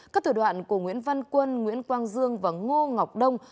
các thủ đoạn của nguyễn văn quân nguyễn quang dương và ngô ngọc đông